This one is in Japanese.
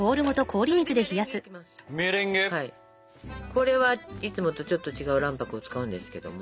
これはいつもとちょっと違う卵白を使うんですけども。